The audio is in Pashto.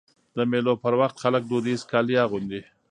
د مېلو پر وخت خلک دودیز کالي اغوندي.